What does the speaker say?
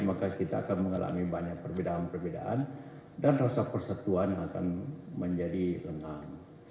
maka kita akan mengalami banyak perbedaan perbedaan dan rasa persatuan akan menjadi lemah